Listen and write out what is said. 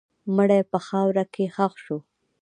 مړی په خاوره کې ښخ شو.